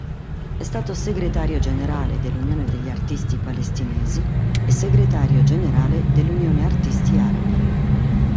È stato Segretario Generale dell'Unione degli artisti palestinesi e Segretario Generale dell'Unione artisti arabi.